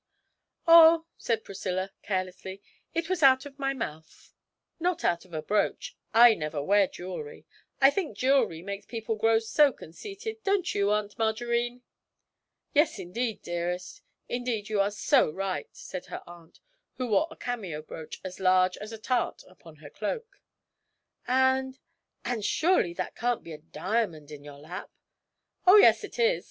'Oh,' said Priscilla, carelessly, 'it was out of my mouth not out of a brooch, I never wear jewellery. I think jewellery makes people grow so conceited; don't you, Aunt Margarine?' 'Yes, indeed, dearest indeed you are so right!' said her aunt (who wore a cameo brooch as large as a tart upon her cloak), 'and and surely that can't be a diamond in your lap?' 'Oh, yes, it is.